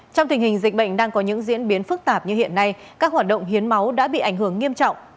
trong tình hình dịch bệnh đang có những diễn biến phức tạp như hiện nay các hoạt động hiến máu đã bị ảnh hưởng nghiêm trọng